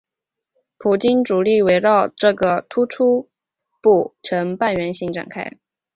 普军主力环绕这个突出部成半圆形展开。